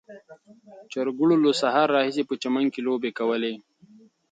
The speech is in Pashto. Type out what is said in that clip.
چرګوړو له سهار راهیسې په چمن کې لوبې کولې.